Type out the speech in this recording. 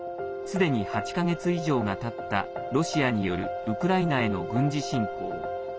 すでに８か月以上がたったロシアによるウクライナへの軍事侵攻。